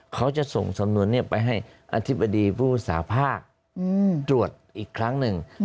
เขาจะส่งสำนวนนี้ไปให้อธิบดีผู้สาภาพตรวจอีกครั้งหนึ่ง